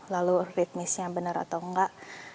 lalu ritmisnya benar atau enggak